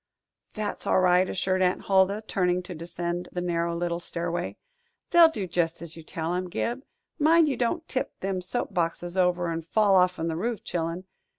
"That's all right," assured Aunt Huldah, turning to descend the narrow little stairway. "They'll do jest as you tell 'em, Gib. Mind you don't tip them soap boxes over an' fall off'n the roof, chil'en.